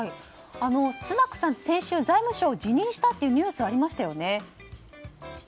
スナクさんは先週財務相を辞任したニュースがありましたよね。